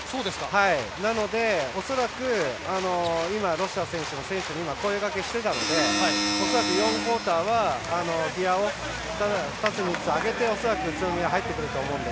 なので恐らく今、ロシター選手に声がけしてたので恐らく４クオーターはギヤを２つ３つ上げて恐らく宇都宮入ってくると思うので。